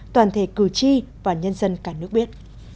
toàn thể cử tri và nhân dân cả nước biết